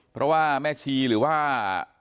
เพราะว่าแม่ชีหรือว่า